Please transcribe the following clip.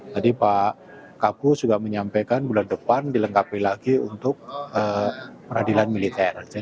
tadi pak kapus juga menyampaikan bulan depan dilengkapi lagi untuk peradilan militer